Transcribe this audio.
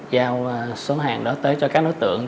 giao số hàng đó tới cho các đối tượng